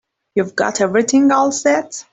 You've got everything all set?